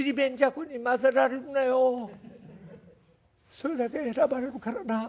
それだけ選ばれるからな。